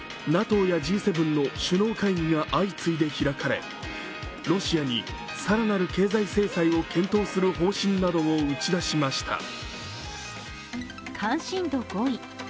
ＮＡＴＯやＧ７の首脳会議が相次いで開かれロシアに更なる経済制裁を検討する方針などを打ち出しました。